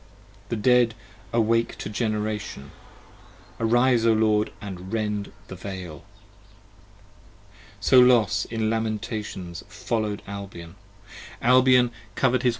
40 The Dead awake to Generation! Arise O Lord, & rend the Veil! 41 So Los in lamentations follow'd Albion. Albion cover'd 34 p.